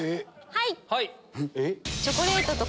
はい！